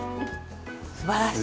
すばらしい！